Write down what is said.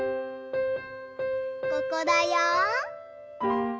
ここだよ！